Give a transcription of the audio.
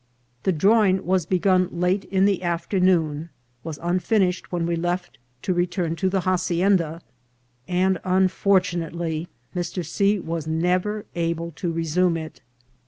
The drawing was begun late in the afternoon, was unfinished when we left to return to the hacienda, and, unfortunately, Mr. C. was never able to resume it.